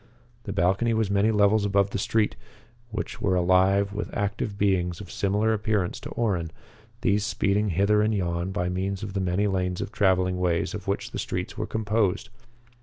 The balcony was many levels above the streets, which were alive with active beings of similar appearance to Orrin, these speeding hither and yon by means of the many lanes of traveling ways of which the streets were composed.